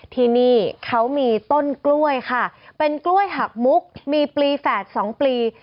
ที่นี่เขามีต้นกล้วยค่ะเป็นกล้วยหักมุกมีปลีแฝดสองปลี